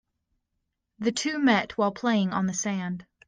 The two met while playing on the sand.